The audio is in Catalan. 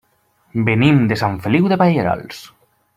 Venim de Sant Feliu de Pallerols.